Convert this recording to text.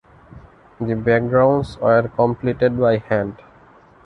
The backgrounds were completed by hand.